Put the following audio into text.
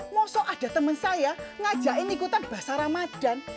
moso ada temen saya ngajakin ikutan bahasa ramadhan